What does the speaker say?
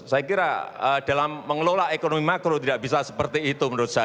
saya kira dalam mengelola ekonomi makro tidak bisa seperti itu menurut saya